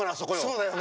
そうだよね。